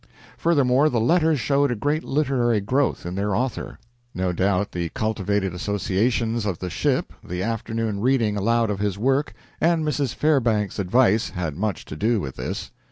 Furthermore, the letters showed a great literary growth in their author. No doubt the cultivated associations of the ship, the afternoon reading aloud of his work, and Mrs. Fairbanks's advice had much to do with this.